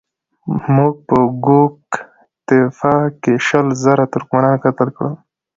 موږ په ګوک تېپه کې شل زره ترکمنان قتل کړل.